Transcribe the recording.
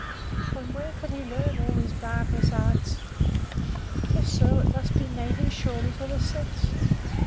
—And where could he learn all these barbarous arts?—If so, it must be native surely to the sex!